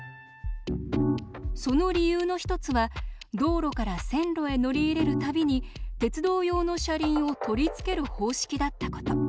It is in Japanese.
その理由の一つは道路から線路へ乗り入れる度に鉄道用の車輪を取りつける方式だったこと。